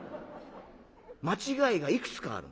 間違いがいくつかあるの。